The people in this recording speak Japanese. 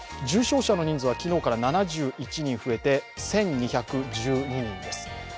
重症者の人数は昨日から７１人増えて１２１２人です。